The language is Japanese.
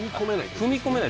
踏み込めない。